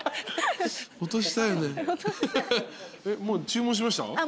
もう注文しました？